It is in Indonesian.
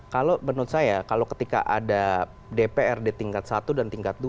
kalau menurut saya kalau ketika ada dprd tingkat satu dan tingkat dua